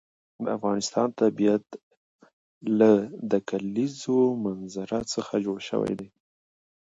د افغانستان طبیعت له د کلیزو منظره څخه جوړ شوی دی.